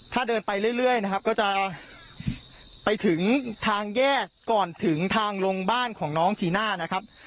ถ้าเดินไปเรื่อยนะครับก็จะไปถึงทางแยกก่อนถึงทางลงบ้านของน้องจีน่านะครับ